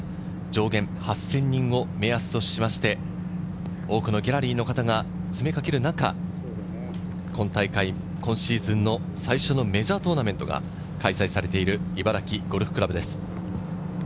上限８０００人を目安としまして、多くのギャラリーの方が詰めかける中、今大会、今シーズンの最初のメジャートーナメントが開催されている茨城ゴルフ倶楽部です。